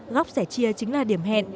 góc sẻ chia chính là điểm hẹn